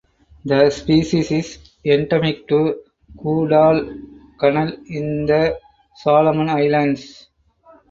The species is endemic to Guadalcanal in the Solomon Islands.